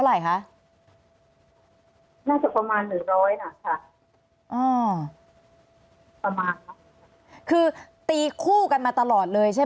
แต่ว่ารู้ว่าใกล้ถึงที่เกิดเหตุตรงนั้นก็เหมือน